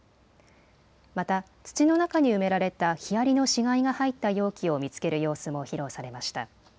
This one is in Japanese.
また土の中に埋められたヒアリの死骸が入った容器を見つける様子も披露されました。